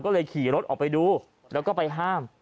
ก็เลยขี่รถออกไปดูแล้วก็ไปห้าม